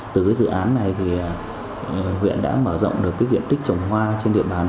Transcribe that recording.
từ dự án này huyện đã mở rộng được diện tích trồng hoa trên địa bàn